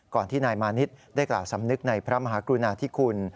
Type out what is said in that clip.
ที่นายมานิดได้กล่าวสำนึกในพระมหากรุณาธิคุณ